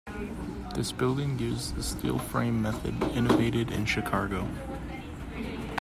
This building used the steel-frame method, innovated in Chicago.